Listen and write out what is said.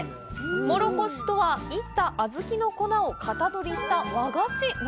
もろこしとは、炒った小豆の粉を型取りした和菓子。